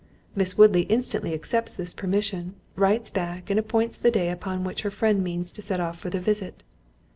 Miss Woodley instantly accepts this permission, writes back, and appoints the day upon which her friend means to set off for the visit.